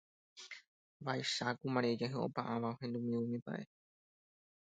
Vaicháku Maria ijahy'opa'ãva ohendúvo umi mba'e